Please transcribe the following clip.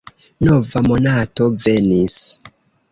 Nova monato venis.